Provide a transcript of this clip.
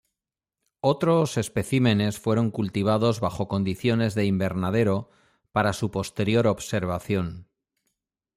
Otros especímenes fueron cultivados bajo condiciones de invernadero para su posterior observación.